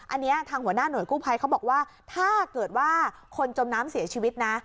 อันนี้ทางหัวหน้าหน่วยกู้ภัยเขาบอกว่าถ้าเกิดว่าคนจมน้ำเสียชีวิตนะ